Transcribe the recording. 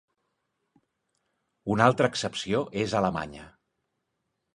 Una altra excepció és Alemanya.